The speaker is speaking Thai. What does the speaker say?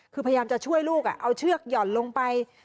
คือพยายามจะช่วยลูกเอาเชือกหย่อนลงไป